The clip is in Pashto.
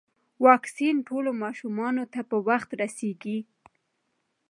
واکسین ټولو ماشومانو ته په وخت رسیږي.